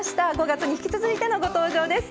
５月に引き続いてのご登場です。